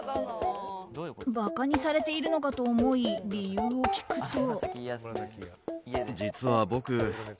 馬鹿にされているのかと思い理由を聞くと。